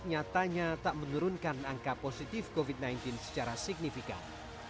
nyatanya tak menurunkan angka positif covid sembilan belas secara signifikan